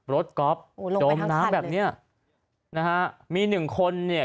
ก๊อฟจมน้ำแบบเนี้ยนะฮะมีหนึ่งคนเนี่ย